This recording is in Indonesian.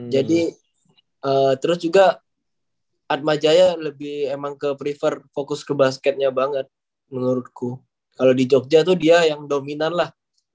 jadi terus juga atmajaya lebih emang ke prefer fokus ke basketnya banget menurutku kalo di jogja tuh dia yang dominan lah